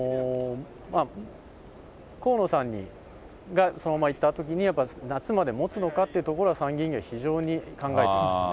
河野さんがそのままいったときに、夏までもつのかっていうところは、参議院議員は非常に考えてますね。